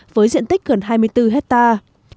với diện tích gần hai mươi bốn hectare